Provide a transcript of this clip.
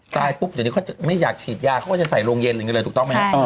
ตายปุ๊บครั้วนี้เขาไม่อยากฉีดยาเขาก็จะใส่โรงเย็นตรงค์นี้เลยถูกต้องไหมครับ